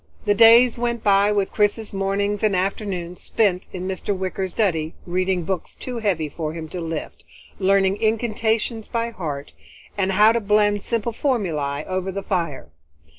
The days went by with Chris's mornings and afternoons spent in Mr. Wicker's study, reading books too heavy for him to lift, learning incantations by heart, and how to blend simple formulae over the fire.